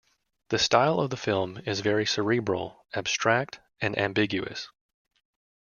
The style of the film is very cerebral, abstract, and ambiguous.